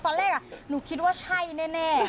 ตอนแรกหนูคิดว่าใช่แน่